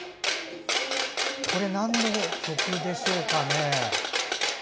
なんの曲でしょうかね。